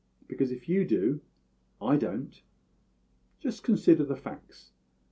Because, if you do, I don't. Just consider the facts.